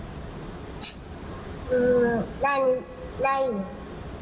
อืมได้ได้